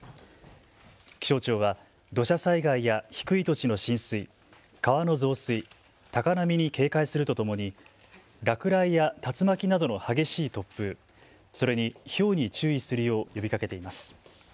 気象庁は土砂災害や低い土地の浸水、川の増水、高波に警戒するとともに落雷や竜巻などの激しい突風、それにひょうに注意するよう呼びかけています。